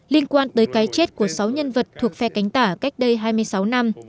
liên quan tới cái chết của ông fujimori